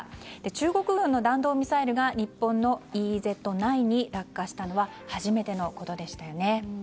中国軍の弾道ミサイルが日本のＥＥＺ内に落下したのは初めてのことでしたよね。